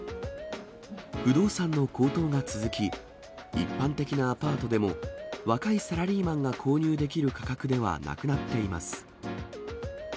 不動産の高騰が続き、一般的なアパートでも、若いサラリーマンが購入できる価格ではなくなっています。